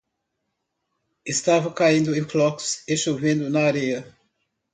Estava caindo em flocos e chovendo na areia.